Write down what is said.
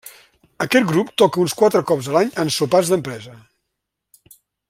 Aquest grup toca uns quatre cops a l'any en sopars d'empresa.